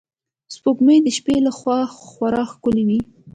سپوږمۍ د شپې له خوا خورا ښکلی وي